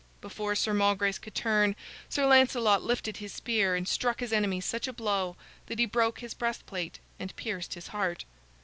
Before Sir Malgrace could turn, Sir Lancelot lifted his spear and struck his enemy such a blow that he broke his breastplate and pierced his heart.